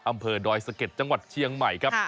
อำเภอดอยสะเก็ดจังหวัดเชียงใหม่ครับ